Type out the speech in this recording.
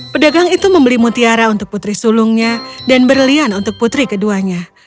pedagang itu membeli mutiara untuk putri sulungnya dan berlian untuk putri keduanya